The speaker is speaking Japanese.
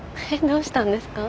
どうしたんですか？